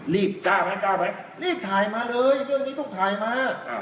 รีบกล้าไปกล้าไปรีบถ่ายมาเลยเรื่องนี้ต้องถ่ายมา